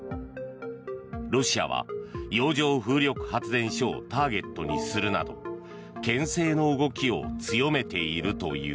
ロシアは洋上風力発電所をターゲットにするなどけん制の動きを強めているという。